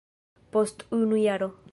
Post unu jaro.